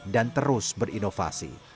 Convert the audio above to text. dan terus berinovasi